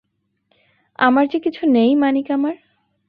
আমার যে কিছু নেই মানিক আমার!